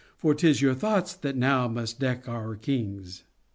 For 'tis your thoughts that now must deck our kings.